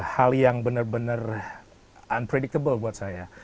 hal yang benar benar unpredictable buat saya